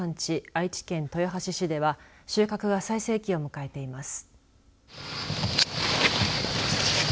愛知県豊橋市では収穫が最盛期を迎えています。